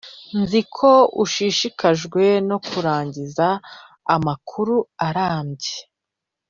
nzi ko uhangayikishijwe no kurangiza amakuru arambuye.